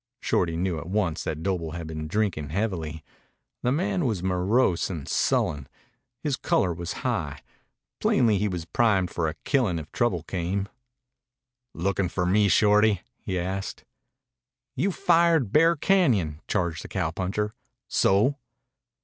Shorty knew at once that Doble had been drinking heavily. The man was morose and sullen. His color was high. Plainly he was primed for a killing if trouble came. "Lookin' for me, Shorty?" he asked. "You fired Bear Cañon," charged the cowpuncher. "So?"